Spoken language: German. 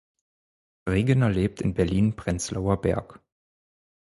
Regener lebt in Berlin-Prenzlauer Berg.